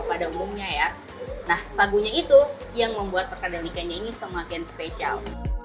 pada umumnya ya nah sagunya itu yang membuat perkadang ikannya ini semakin spesial